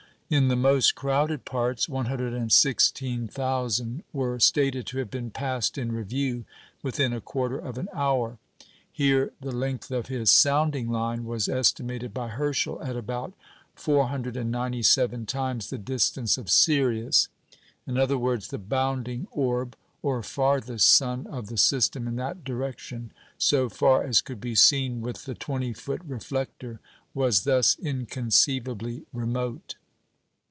In the most crowded parts 116,000 were stated to have been passed in review within a quarter of an hour. Here the "length of his sounding line" was estimated by Herschel at about 497 times the distance of Sirius in other words, the bounding orb, or farthest sun of the system in that direction, so far as could be seen with the 20 foot reflector, was thus inconceivably remote.